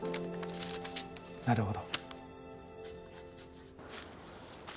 なるほど。